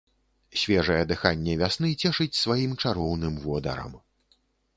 Свежае дыханне вясны цешыць сваім чароўным водарам.